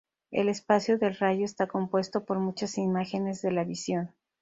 El espacio del rayo está compuesto por muchas imágenes de la visión.